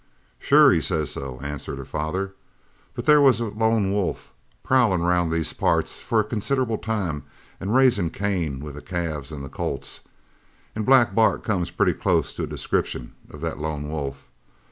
"Sure he says so," answered her father, "but there was a lone wolf prowlin' round these parts for a considerable time an' raisin' Cain with the calves an' the colts. An' Black Bart comes pretty close to a description of the lone wolf.